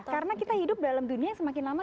karena kita hidup dalam dunia yang semakin lama